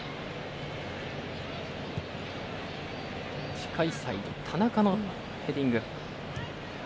近いサイド、田中のヘディング。